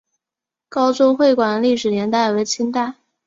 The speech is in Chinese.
高州会馆的历史年代为清代。